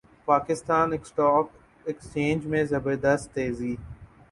Pakistan stock exchange میں زبردست تیزی